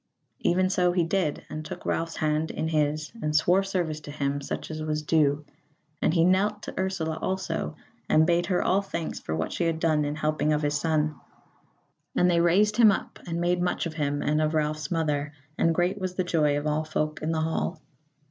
Even so he did, and took Ralph's hand in his and swore service to him such as was due; and he knelt to Ursula also, and bade her all thanks for what she had done in the helping of his son; and they raised him up and made much of him and of Ralph's mother; and great was the joy of all folk in the hall.